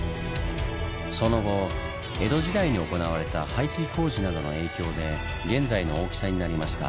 その後江戸時代に行われた排水工事などの影響で現在の大きさになりました。